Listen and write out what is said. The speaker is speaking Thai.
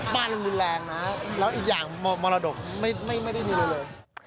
ปัญญาแรงน่ะแล้วอีกอย่างมรดกไม่ได้ดูเลย